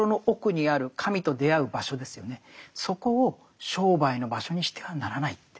そこを商売の場所にしてはならないって。